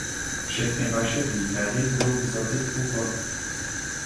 Všechny vaše výhrady budou vzaty v úvahu.